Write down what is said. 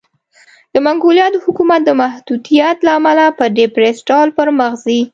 د منګولیا د حکومت د محدودیت له امله په ډېرپڅ ډول پرمخ ځي.